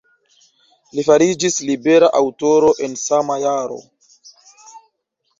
Li fariĝis libera aŭtoro en sama jaro.